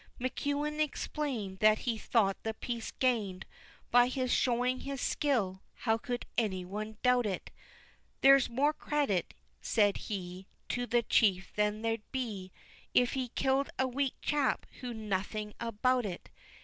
McEwen explained That he thought the piece gained By his showing his skill how could anyone doubt it? "There's more credit," said he, "To the chief than there'd be If he killed a weak chap who knew nothing about it."